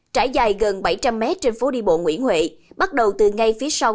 trải dài gần bảy trăm linh m trên phố đi bộ nguyễn huệ bắt đầu từ ngay phía sau